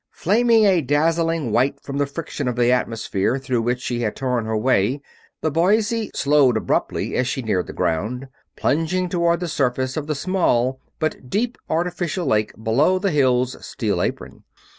Flaming a dazzling white from the friction of the atmosphere through which she had torn her way, the Boise slowed abruptly as she neared the ground, plunging toward the surface of the small but deep artificial lake below the Hill's steel apron.